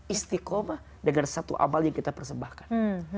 istiqomah dengan satu amal yang kita persembahkan